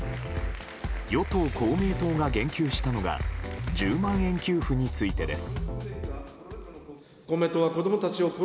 与党・公明党が言及したのが１０万円給付についてです。